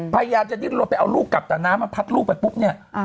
พยายามจะดิ้นรถไปเอาลูกกลับแต่น้ำมันพัดลูกไปปุ๊บเนี่ย